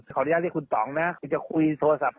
ขออนุญาตที่คุณตอ๋องนะจะคุยโทรศัพท์